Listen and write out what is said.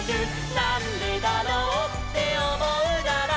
「なんでだろうっておもうなら」